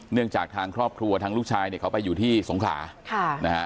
จากทางครอบครัวทางลูกชายเนี่ยเขาไปอยู่ที่สงขลาค่ะนะฮะ